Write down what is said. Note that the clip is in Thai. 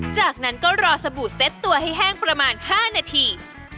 จากนั้นก็รอสบู่เซ็ตตัวให้แห้งประมาณ๕นาที